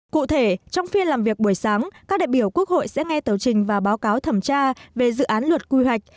cụ thể trong phiên làm việc buổi sáng các đại biểu quốc hội sẽ nghe tờ trình và báo cáo thẩm tra về dự án luật quy hoạch